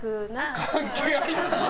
関係あります？